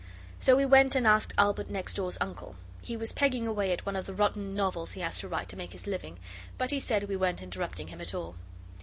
So we went and asked Albert next door's uncle. He was pegging away at one of the rotten novels he has to write to make his living, but he said we weren't interrupting him at all.